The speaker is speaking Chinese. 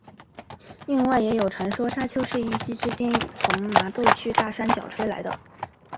另外也有传说砂丘是一夕之间从麻豆区大山脚吹来的。